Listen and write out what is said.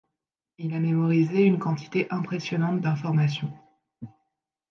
Il a mémorisé une quantité impressionnante d'informations.